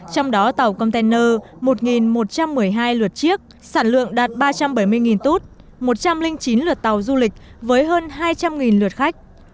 trong đó tàu container một một trăm một mươi hai lượt chiếc sản lượng đạt ba trăm bảy mươi tút một trăm linh chín lượt tàu du lịch với hơn hai trăm linh lượt khách